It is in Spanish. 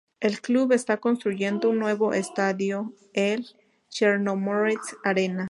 El club está construyendo un nuevo estadio, el Chernomorets Arena.